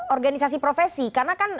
organisasi profesi karena kan